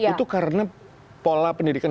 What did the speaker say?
itu karena pola pendidikan